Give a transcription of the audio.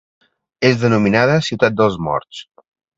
És denominada ciutat dels morts.